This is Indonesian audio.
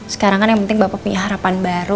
sekarang kan yang penting bapak punya harapan baru